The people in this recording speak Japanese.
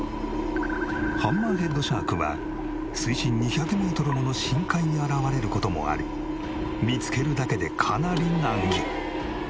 ハンマーヘッドシャークは水深２００メートルもの深海に現れる事もあり見つけるだけでかなり難儀。